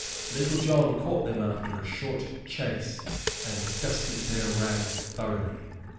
Little John caught them after a short chase, and dusted their rags thoroughly.